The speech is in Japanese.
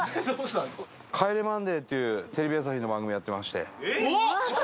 『帰れマンデー』っていうテレビ朝日の番組やってまして。